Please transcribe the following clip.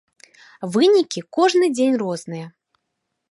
Вынікі кожны дзень розныя.